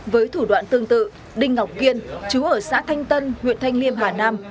với thủ đoạn tương tự đinh ngọc kiên chú ở xã thanh tân huyện thanh liêm hà nam